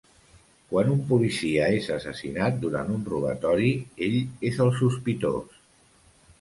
Quan un policia és assassinat durant un robatori, ell és el sospitós.